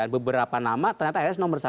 beberapa nama ternyata rs nomor satu